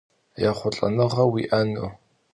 Yêxhulh'enığe vui'enu!